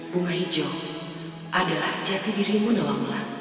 bunga hijau adalah jati dirimu nawamulan